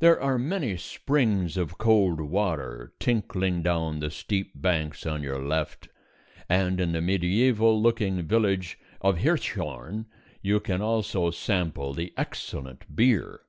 There are many springs of cold water tinkling down the steep banks on your left, and in the mediæval looking village of Hirschhorn you can also sample the excellent beer.